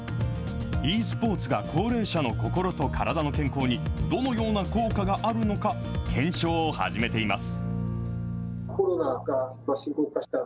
ｅスポーツが高齢者の心と体の健康に、どのような効果があるのか、検証を始めています。